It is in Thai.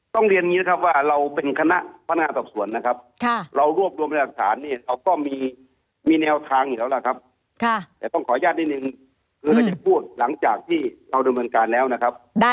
ต้องเรียนอย่างนี้ครับว่า